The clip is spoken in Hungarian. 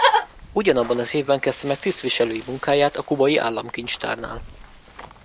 Ugyanabban az évben kezdte meg tisztviselői munkáját a kubai Államkincstárnál.